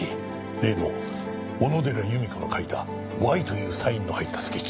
例の小野寺由美子の描いた「Ｙ」というサインの入ったスケッチだ。